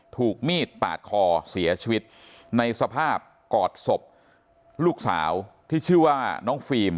ถูกมีดปาดคอเสียชีวิตในสภาพกอดศพลูกสาวที่ชื่อว่าน้องฟิล์ม